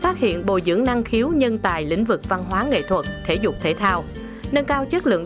phát hiện bồi dưỡng năng khiếu nhân tài lĩnh vực văn hóa nghệ thuật thể dục thể thao nâng cao chất lượng